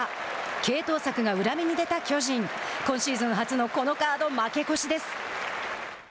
継投策が裏目に出た巨人今シーズン初のこのカード負け越しです。